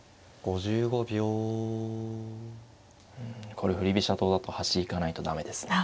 うんこれ振り飛車党だと端行かないと駄目ですね。